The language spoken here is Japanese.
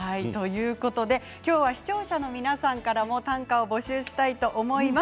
今日は視聴者の皆さんからも短歌を募集したいと思います。